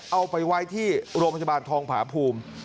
เอาไปไว้ที่โรงพัจจิตทรงข์ผ้าปรูม